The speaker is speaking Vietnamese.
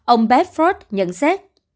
ông bepford nhận xét